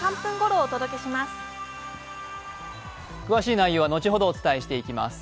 詳しい内容は後ほどお伝えしていきます。